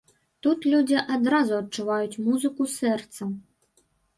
Тут людзі адразу адчуваюць музыку сэрцам.